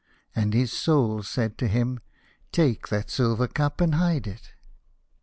And his Soul said to him, " Take that silver cup and hide it."